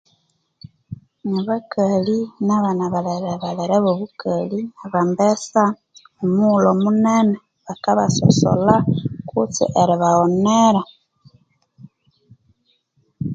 Nabakali na abana abalerebalere obobukali abambesa omughulhu omunene bakabasosolha kutse eribaghonera